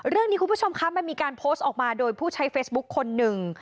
คุณผู้ชมคะมันมีการโพสต์ออกมาโดยผู้ใช้เฟซบุ๊คคนหนึ่ง